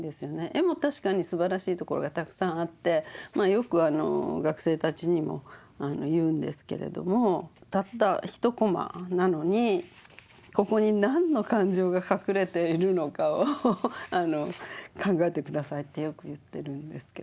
絵も確かにすばらしいところがたくさんあってよく学生たちにも言うんですけれどもたった一コマなのにここに何の感情が隠れているのかを考えて下さいってよく言ってるんですけど。